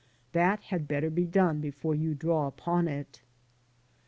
That had better be done before you draw upon it.